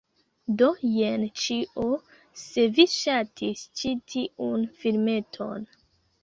Do jen ĉio! Se vi ŝatis ĉi tiun filmeton